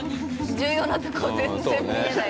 重要なところ全然見えない。